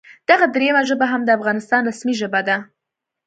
دغه دریمه ژبه هم د افغانستان رسمي ژبه ده